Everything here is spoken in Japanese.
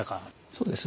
そうですね。